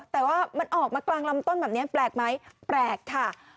แต่ว่ามันออกมากลางลำต้นแบบนี้แปลกไหมแปลกค่ะ